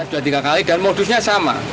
sudah tiga kali dan modusnya sama